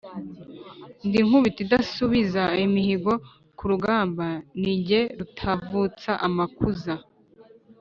Ndi Nkubito idasubiza imihigo ku rugamba, ni jye rutavutsa amakuza